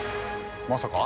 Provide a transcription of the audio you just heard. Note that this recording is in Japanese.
まさか。